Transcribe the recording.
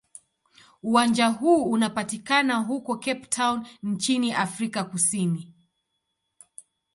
Uwanja huu unapatikana huko Cape Town nchini Afrika Kusini.